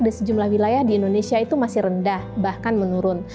di sejumlah wilayah di indonesia itu masih rendah bahkan menurun